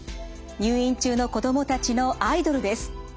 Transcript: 入院中の子供たちのアイドルです。